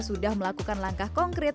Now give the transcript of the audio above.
sudah melakukan langkah konkret